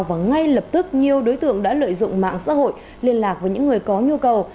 và ngay lập tức nhiều đối tượng đã lợi dụng mạng xã hội liên lạc với những người có nhu cầu